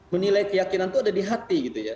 menilai keyakinan itu ada di hati gitu ya